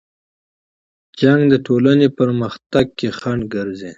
جنګ د ټولنې په پرمختګ کې خنډ ګرځي.